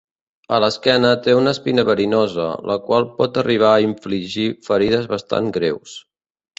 A l'esquena té una espina verinosa, la qual pot arribar a infligir ferides bastant greus.